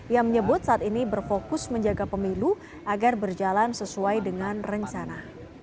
ia menyebut saat ini berfokus menjaga pemilu agar berjalan sesuai dengan rencana